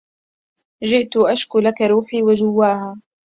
جئتُ أشكو لكِ روحي وجواها